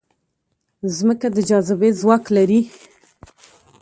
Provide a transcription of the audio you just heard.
مځکه د جاذبې ځواک لري.